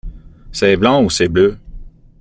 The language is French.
C’est blanc ou c’est bleu ?